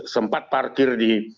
sempat parkir di